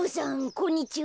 こんにちは。